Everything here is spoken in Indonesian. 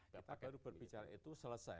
bapak baru berbicara itu selesai